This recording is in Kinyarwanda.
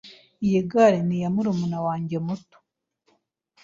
Iyi gare ni iya murumuna wanjye muto.